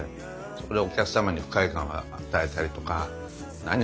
そこでお客様に不快感を与えたりとか「何？